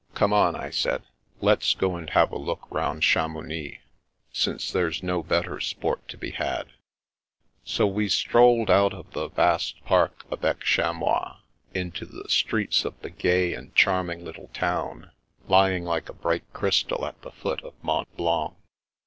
" Come on," I said, " let's go and have a look it t€ 222 The Princess Passes round Chamounix^ since there's no better sport to be had/' So we strolled out of the vaste pare avec chamois into the streets of the gay and charming little town, lying like a bright crystal at the foot of Mont Blanc.